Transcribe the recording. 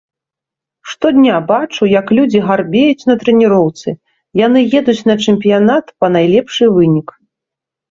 Штодня бачу, як людзі гарбеюць на трэніроўцы, яны едуць на чэмпіянат па найлепшы вынік.